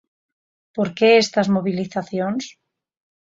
¿Por que estas mobilizacións?